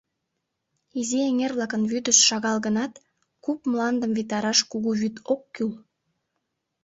Изи эҥер-влакын вӱдышт шагал гынат, куп мландым витараш кугу вӱд ок кӱл.